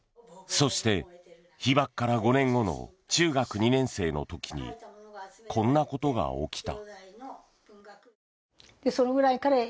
そして、被爆から５年後の中学２年生の時にこんなことが起きた。